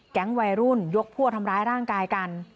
วัยรุ่นยกพวกทำร้ายร่างกายกัน